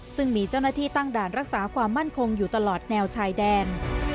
ซึ่งมีเจ้าหน้าที่ตั้งด่านรักษาความมั่นคงอยู่ตลอดแนวชายแดน